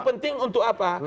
itu penting untuk apa